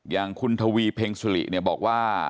อย่างคุณดราวีเพงศุริบอกว่า